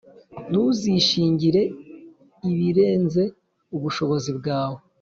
Ntuzishingire ibirenze ubushobozi bwawe,